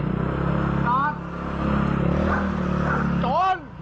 ตอนตอน